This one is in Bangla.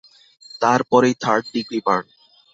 তার পরেই থার্ড ডিগ্রী বার্ন।